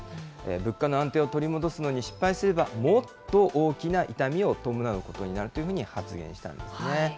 物価の安定を取り戻すのに失敗すれば、もっと大きな痛みを伴うことになるというふうに発言したんですね。